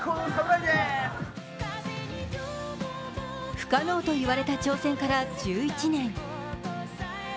不可能といわれた挑戦から１１年。